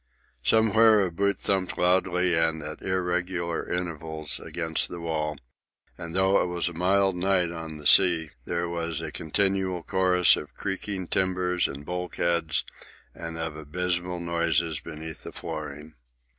Somewhere a boot thumped loudly and at irregular intervals against the wall; and, though it was a mild night on the sea, there was a continual chorus of the creaking timbers and bulkheads and of abysmal noises beneath the flooring.